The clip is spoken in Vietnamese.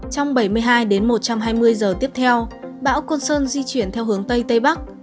trong bảy mươi hai đến một trăm hai mươi giờ tiếp theo bão côn sơn di chuyển theo hướng tây tây bắc